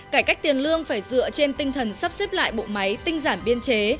cải cách tiền lương phải dựa trên tinh thần sắp xếp lại bộ máy tinh giản biên chế